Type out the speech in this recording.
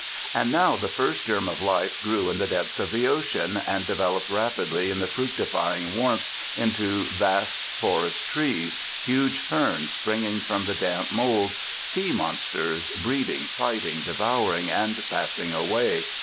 And now the first germ of life grew in the depths of the ocean, and developed rapidly in the fructifying warmth into vast forest trees, huge ferns springing from the damp mould, sea monsters breeding, fighting, devouring, and passing away.